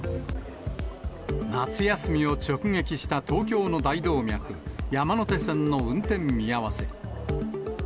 夏休みを直撃した東京の大動脈、山手線の運転見合わせ。